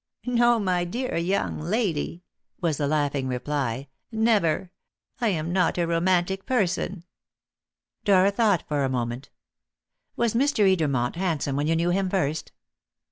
"No, my dear young lady," was the laughing reply, "never! I am not a romantic person." Dora thought for a moment. "Was Mr. Edermont handsome when you knew him first?"